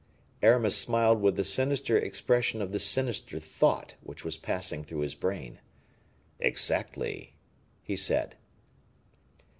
Aramis smiled with the sinister expression of the sinister thought which was passing through his brain. "Exactly," he said.